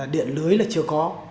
điện lưới là chưa có